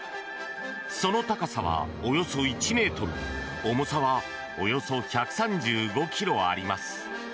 その高さは、およそ１ｍ重さは、およそ１３５ｋｇあります。